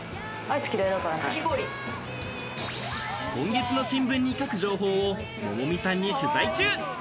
今月の新聞に書く情報を桃海さんに取材中。